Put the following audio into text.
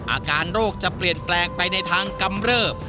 อาการโรคจะเปลี่ยนแปลงไปในทางกำเริบ